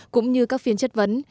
cũng như các phiên chất vấn